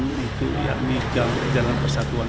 yaitu jalan persatuan satu itu dijual kepada perusahaan